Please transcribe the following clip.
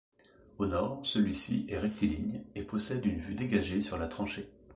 Au nord, celui-ci est rectiligne et possède une vue dégagée sur la tranchée.